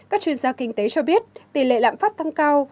các chuyên gia kinh tế cho biết tỷ lệ lạm phát tăng cao